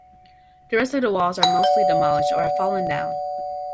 The rest of the walls are mostly demolished or have fallen down.